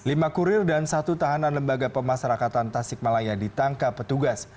lima kurir dan satu tahanan lembaga pemasarakatan tasikmalaya ditangkap petugas